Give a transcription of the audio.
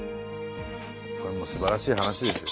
これはすばらしい話ですよ。